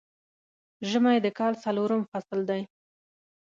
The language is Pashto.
ژمی د کال څلورم فصل دی